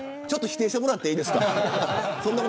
ちょっと否定してもらっていいですか。